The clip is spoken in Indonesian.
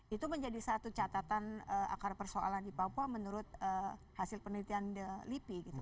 itu menjadi satu catatan akar persoalan di papua menurut hasil penelitian lipi gitu